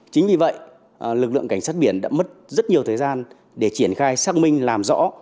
chính vì vậy lực lượng cảnh sát biển đã mất rất nhiều thời gian để triển khai xác minh làm rõ